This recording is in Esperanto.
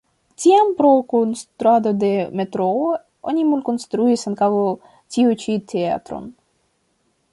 Tiam pro konstruado de metroo oni malkonstruis ankaŭ tiu ĉi teatron.